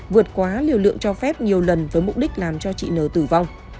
vượt quá liều lượng cho phép nhiều lần với mục đích làm cho chị n tử vong